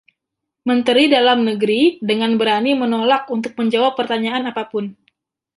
Menteri Dalam Negeri dengan berani menolak untuk menjawab pertanyaan apa pun